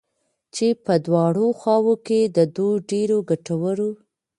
چې په دواړو خواوو كې د دوو ډېرو گټورو